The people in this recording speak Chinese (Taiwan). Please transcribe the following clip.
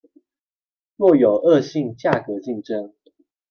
若有惡性價格競爭